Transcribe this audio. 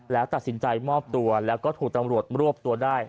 แล้วตัดสินใจมอบตัวแล้วก็ถูกตำรวจรวบตัวได้